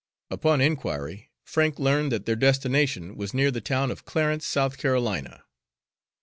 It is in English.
Upon inquiry Frank learned that their destination was near the town of Clarence, South Carolina.